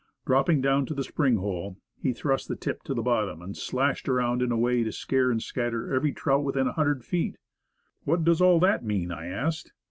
Dropping down to the spring hole, he thrust the tip to the bottom and slashed it around in a way to scare and scatter every trout within a hundred feet. "And what dees all that mean?" I asked.